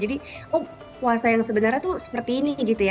jadi oh puasa yang sebenarnya tuh seperti ini gitu ya